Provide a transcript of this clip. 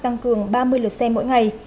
tăng cường ba mươi lượt xe mỗi ngày